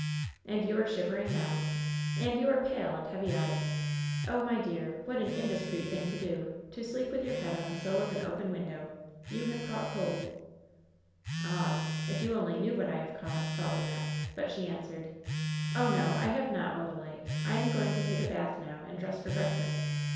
"And you are shivering now. And you are pale and heavy eyed. Oh, my dear, what an indiscreet thing to do — ^to sleep with your head on the sill of an open win dow ! You have caught cold." LOVE'S BITTEREST CUP «89 "Ah 1 if you only knew what I have caught/' thou^t Wynnette ; but she answered : "Oh, no, I have not, Odalite. I am going to take a bath now and dress for breakfast.